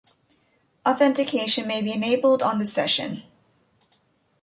Authentication may be enabled on the session.